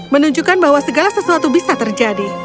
menunjukkan bahwa segala sesuatu bisa terjadi